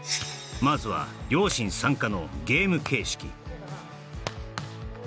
まずは両親参加のゲーム形式